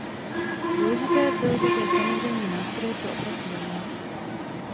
Důležité byly také samozřejmě nástroje pro opracování.